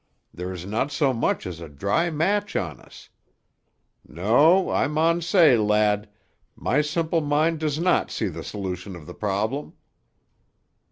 There is not so much as a dry match on us. No, I maun say, lad, my simple mind does not see the solution of the problem."